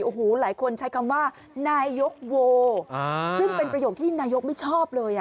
โอ้โหหลายคนใช้คำว่านายกโวซึ่งเป็นประโยคที่นายกไม่ชอบเลยอ่ะ